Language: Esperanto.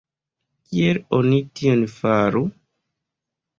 Kiel oni tion faru?